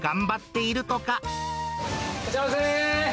いらっしゃいませ。